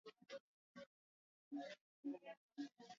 Ni taasisi za elimu zinaweza kufundisha juu ya usafi